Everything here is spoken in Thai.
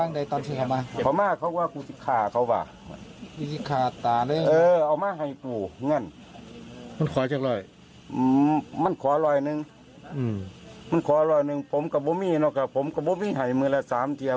๓นัดลูกชายตายคาดที่เลย